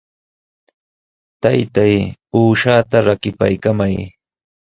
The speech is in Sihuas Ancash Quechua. Taytay, uushaata rakipaykamay.